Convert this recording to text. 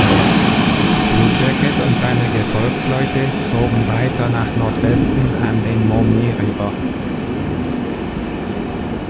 Blue Jacket und seine Gefolgsleute zogen weiter nach Nordwesten an den Maumee River.